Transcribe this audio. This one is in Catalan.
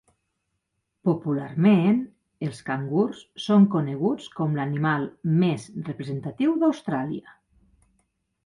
Popularment, els cangurs són coneguts com l'animal més representatiu d'Austràlia.